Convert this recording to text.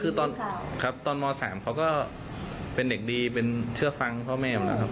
คือตอนครับตอนม๓เขาก็เป็นเด็กดีเป็นเชื่อฟังพ่อแม่ผมนะครับ